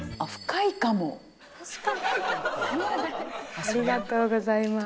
ありがとうございます。